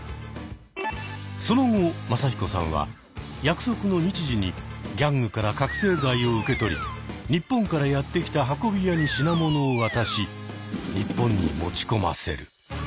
その後マサヒコさんは約束の日時にギャングから覚醒剤を受け取り日本からやって来た運び屋に品物を渡し日本に持ち込ませる。